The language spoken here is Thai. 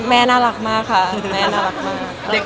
แม่น่ารักมากค่ะแม่น่ารักมาก